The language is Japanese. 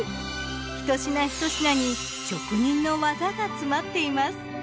ひと品ひと品に職人の技が詰まっています。